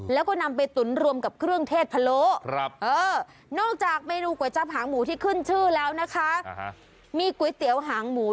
แล้วก็นำไปตุ๋นรวมกับเครื่องเทศพะโลนอกจากเมนูก๋วยจับหางหมูที่ขึ้นชื่อแล้วนะคะมีก๋วยเตี๋ยวหางหมู